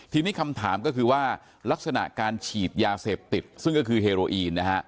ทีนี้คำถามก็คือว่าลักษณะการฉีดยาเสพติดซึ่งก็คือเฮโรอีนนะฮะ